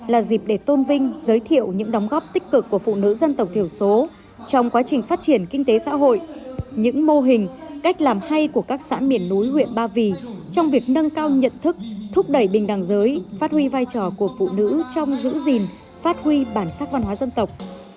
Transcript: là dịp để tôn vinh giới thiệu những đóng góp tích cực của phụ nữ dân tộc thiểu số trong quá trình phát triển kinh tế xã hội những mô hình cách làm hay của các xã miền núi huyện ba vì trong việc nâng cao nhận thức thúc đẩy bình đẳng giới phát huy vai trò của phụ nữ trong giữ gìn phát huy bản sắc văn hóa dân tộc